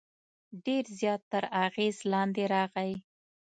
ډېر زیات تر اغېز لاندې راغی.